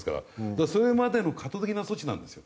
だからそれまでの過渡的な措置なんですよ。